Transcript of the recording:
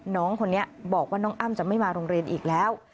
น้องคนนี้บอกว่าน้องอ้ำจะไม่มาโรงเรียนอีกแล้ว